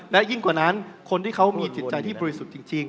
และยิ่งกว่านั้นคนที่เขามีจิตใจที่บริสุทธิ์จริง